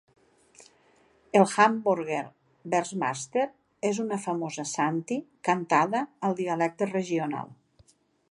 El Hamborger Veermaster és una famosa Shanty cantada al dialecte regional.